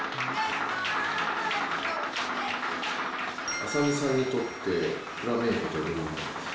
麻美さんにとってフラメンコとはなんですか？